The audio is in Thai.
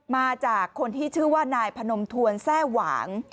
มาจากคนที่ชื่อว่านายพนมทวนแทร่หวาง